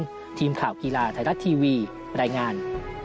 ทีมข่าวกีฬาไทยรัฐทีวีรายงาน